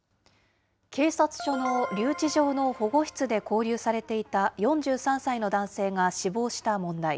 警察署の留置場の保護室で勾留されていた４３歳の男性が死亡した問題。